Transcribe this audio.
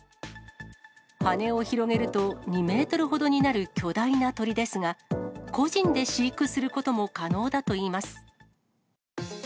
羽を広げると２メートルほどになる巨大な鳥ですが、個人で飼育することも可能だといいます。